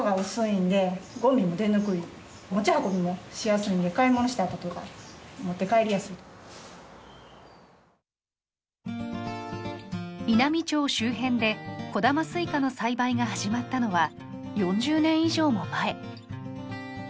印南町周辺で小玉スイカの栽培が始まったのは４０年以上も前。